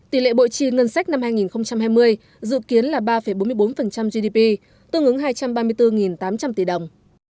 tỷ lệ bội trì ngân sách năm hai nghìn hai mươi dự kiến là ba bốn mươi bốn gdp tương ứng hai trăm ba mươi bốn tám trăm linh tỷ đồng